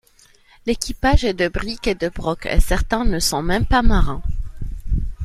L'équipage est de bric et de broc et certains ne sont pas même marins.